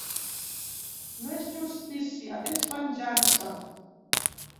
No és justícia, és venjança.